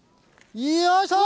よいしょ！